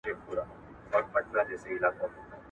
نه له شیخه څوک ډاریږي نه غړومبی د محتسب وي ,